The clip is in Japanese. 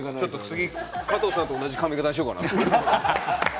次、加藤さんと同じ髪形にしようかなと。